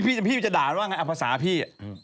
พี่จะด่าว่าไงอภาษาพี่